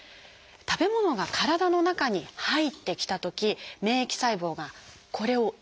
食べ物が体の中に入ってきたとき免疫細胞がこれを異物と捉えます。